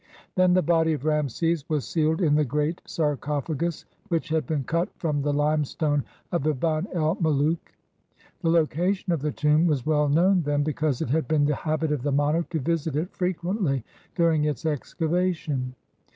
Then the body of Rameses was sealed in the great sarcophagus which had been cut from the limestone of Biban el Mulouk. The location of the tomb was well known then, be cause it had been the habit of the monarch to visit it frequently during its excavation.